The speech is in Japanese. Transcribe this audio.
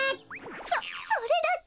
そそれだけ！？